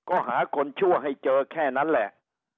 ก็หาคนชั่วให้เจอแค่นั้นแหละ